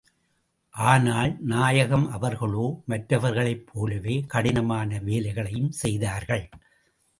ஆனால், நாயகம் அவர்களோ மற்றவர்களைப் போலவே கடினமான வேலைகளையும் செய்தார்கள்.